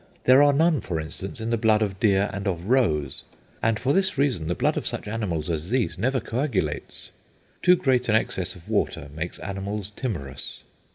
There are none, for instance, in the blood of deer and of roes, and for this reason the blood of such animals as these never coagulates.... Too great an excess of water makes animals timorous....